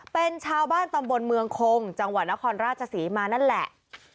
เป็นชาวบ้านตำบลเมืองคงจังหวัดนครราชศรีมานั่นแหละ